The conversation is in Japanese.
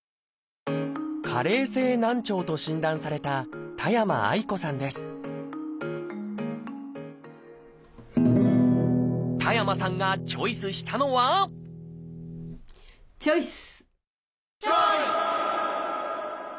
「加齢性難聴」と診断された田山さんがチョイスしたのはチョイス！